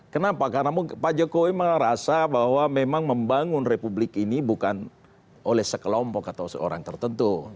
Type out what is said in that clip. kenapa karena pak jokowi merasa bahwa memang membangun republik ini bukan oleh sekelompok atau seorang tertentu